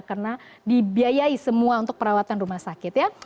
karena dibiayai semua untuk perawatan rumah sakit ya